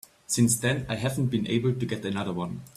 Since then I haven't been able to get another one.